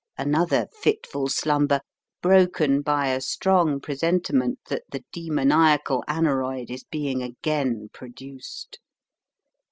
Another fitful slumber, broken by a strong presentiment that the demoniacal aneroid is being again produced.